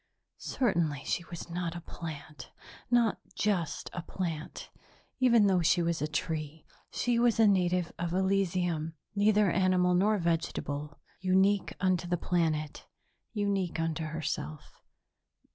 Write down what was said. Certainly she was not a plant, not just a plant, even though she was a tree. She was a native of Elysium, neither animal nor vegetable, unique unto the planet, unique unto herself.